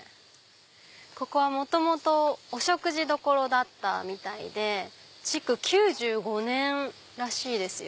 ここは元々お食事どころだったみたいで築９５年らしいですよ。